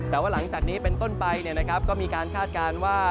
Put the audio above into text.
แต่ว่าหลังจากนี้เป็นต้นไปก็มีการคาดการณ์ว่า